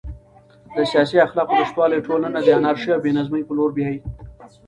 د سیاسي اخلاقو نشتوالی ټولنه د انارشي او بې نظمۍ په لور بیايي.